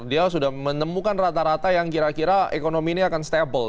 dia sudah menemukan rata rata yang kira kira ekonomi ini akan stable